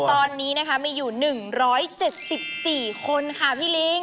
ทั้งหมดตอนนี้มีอยู่๑๗๔คนค่ะพี่ลิง